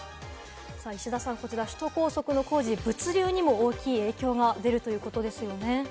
石田さん、こちら首都高速の工事、物流にも大きい影響が出るということですよね。